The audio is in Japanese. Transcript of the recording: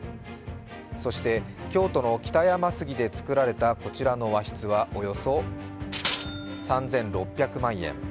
そして京都の北山杉で造られたこちらの和室はおよそ３６００万円。